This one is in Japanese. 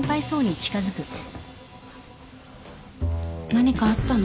何かあったの？